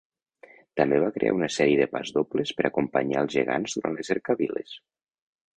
També va crear una sèrie de pasdobles per acompanyar els gegants durant les cercaviles.